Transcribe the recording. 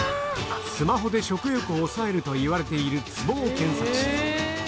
スマホで食欲を抑えるといわれているツボを検索し